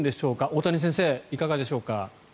大谷先生、どうでしょうか。